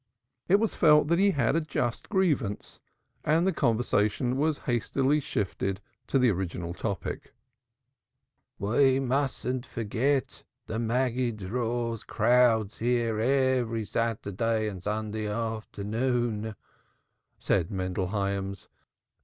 It was felt that he had a just grievance, and the conversation was hastily shifted to the original topic. "We mustn't forget the Maggid draws crowds here every Saturday and Sunday afternoon," said Mendel Hyams.